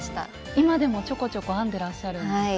今でもちょこちょこ編んでらっしゃるんですか？